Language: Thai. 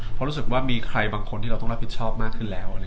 เพราะรู้สึกว่ามีใครบางคนที่เราต้องรับผิดชอบมากขึ้นแล้ว